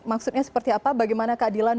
maksudnya seperti apa bagaimana keadilan